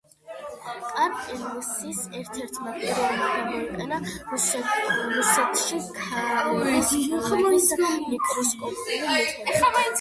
კარპინსკიმ ერთ-ერთმა პირველმა გამოიყენა რუსეთში ქანების კვლევის მიკროსკოპული მეთოდი.